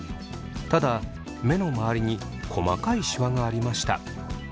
ただ目の周りに細かいシワがありました。